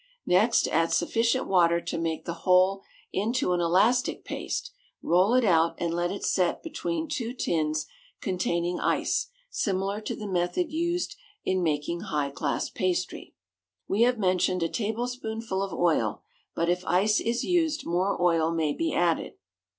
Next add sufficient water to make the whole into an elastic paste; roll it out and let it set between two tins containing ice, similar to the method used in making high class pastry. We have mentioned a tablespoonful of oil, but if ice is used more oil may be added.